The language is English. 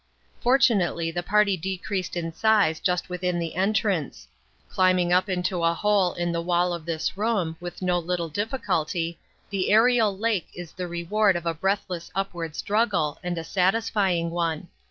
Fortunately the party decreased in size just within the entrance. Climbing up into a hole in the wall of this room, with no little difficulty, the Aerial Lake is the reward of a breathless upward struggle, and a satisfying one.